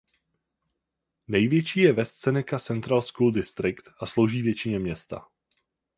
Největší je West Seneca Central School District a slouží většině města.